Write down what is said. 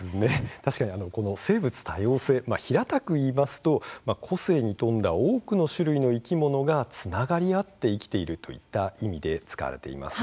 確かに生物多様性、平たく言いますと個性に富んだ多くの種類の生き物がつながり合って生きているといった意味で使われています。